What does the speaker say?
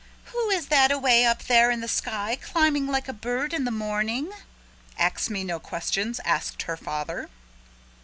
"Who is that away up there in the sky climbing like a bird in the morning?" Ax Me No Questions asked her father.